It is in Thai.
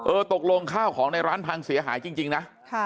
ตกลงข้าวของในร้านพังเสียหายจริงนะ